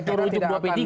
untuk rujuk dua p tiga